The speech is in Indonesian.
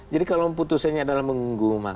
jadi kalau putusannya adalah mengunggu mahkamah agung